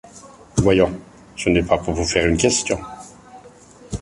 Voyons, ce n’est pas pour vous faire une question